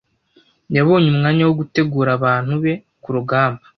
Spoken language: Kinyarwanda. Yabonye umwanya wo gutegura abantu be kurugamba.